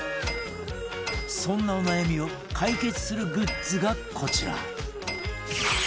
そんなお悩みを解決するグッズがこちら